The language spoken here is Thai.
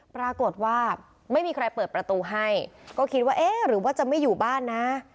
ปรากฏว่าไม่มีใครเปิดประตูให้ก็คิดว่าเอ๊ะหรือว่าจะไม่อยู่บ้านนะ